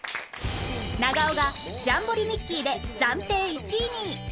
長尾が『ジャンボリミッキー！』で暫定１位に